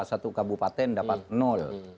satu kabupaten dapat nol